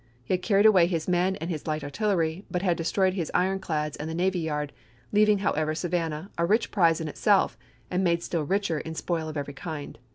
He had carried away his men and his light artillery, but had destroyed his ironclads and the navy yard, leaving, however, Savannah, a rich prize in itself, and made still richer in spoil of every kind.